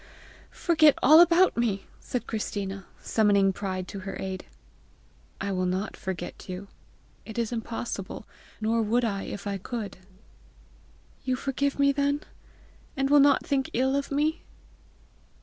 "Forget all about me," said Christina, summoning pride to her aid. "I will not forget you. It is impossible, nor would I if I could." "You forgive me then, and will not think ill of me?"